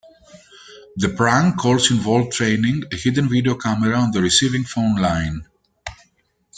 The prank calls involved training a hidden video camera on the receiving phone line.